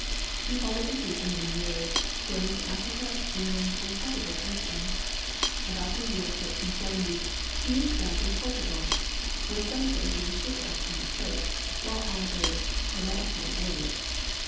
He folloAved the sea for many years, sailing to Africa, Eng land, and probably Iceland. About the year 1470 he is found in Portugal, Avhere some say he Avas shipAvrecked on the coast while on a piratical voyage.